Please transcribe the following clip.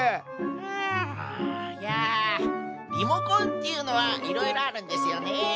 あいやリモコンっていうのはいろいろあるんですよね。